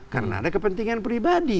karena ada kepentingan pribadi